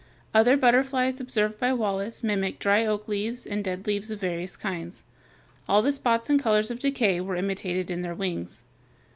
Other butterflies observed by Wallace mimicked dry oak leaves and dead leaves of various kinds. All the spots and colors of decay were imitated in their wings.